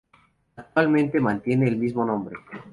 Actualmente mantiene el mismo nombre.